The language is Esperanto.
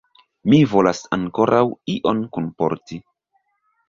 Mi volas ankoraŭ ion kunporti.